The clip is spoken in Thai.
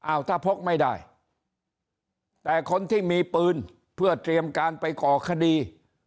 ถ้าพกไม่ได้แต่คนที่มีปืนเพื่อเตรียมการไปก่อคดี